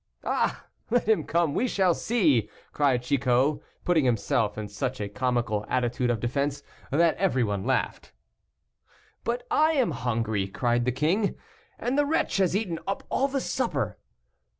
"Ah! let him come, we shall see!" cried Chicot, putting himself in such a comical attitude of defense that every one laughed. "But I am hungry," cried the king; "and the wretch has eaten up all the supper."